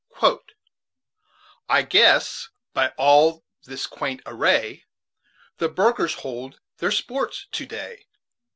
CHAPTER XVII "I guess, by all this quaint array, The burghers hold their sports to day."